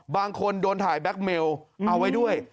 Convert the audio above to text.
บางคนโดนถ่ายแบ็คเมลเอาไว้ด้วย